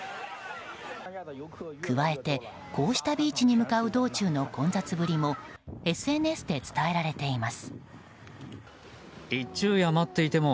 加えて、こうしたビーチに向かう道中の混雑ぶりもＳＮＳで伝えられています。